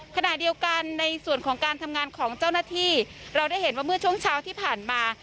ขณะเดียวกันในส่วนของการทำงานของเจ้าหน้าที่เราได้เห็นว่าเมื่อช่วงเช้าที่ผ่านมา